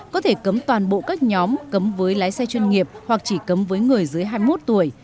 có thể cấm toàn bộ các nhóm cấm với lái xe chuyên nghiệp hoặc chỉ cấm với người dưới hai mươi một tuổi